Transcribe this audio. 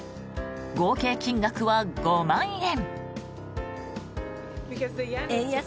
合計金額は５万円。